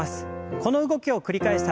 この動きを繰り返した